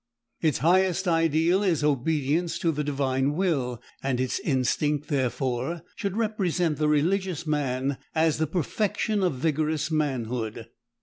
Its highest ideal is obedience to the Divine will, and its instinct, therefore, should represent the religious man as the perfection of vigorous manhood.